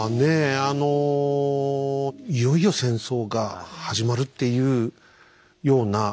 あのいよいよ戦争が始まるっていうような予感がね。